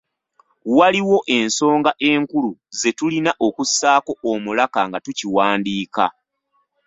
Waliwo ensonga enkulu ze tulina okussaako omulaka nga tukiwandiika.